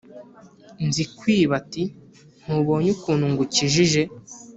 Nzikwiba ati: "Ntubonye ukuntu ngukijije?"